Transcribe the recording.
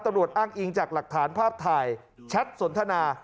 อ้างอิงจากหลักฐานภาพถ่ายแชทสนทนา